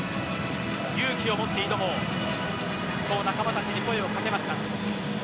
勇気を持って挑もうそう仲間たちに声を掛けました。